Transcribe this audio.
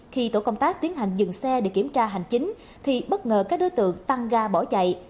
khi tổ công tác tiến hành dừng xe để kiểm tra hành chính thì bất ngờ các đối tượng tăng ga bỏ chạy